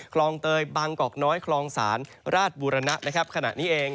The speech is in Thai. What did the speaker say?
คลองเตยบางกอกน้อยคลองศาลราชบุรณะนะครับขณะนี้เอง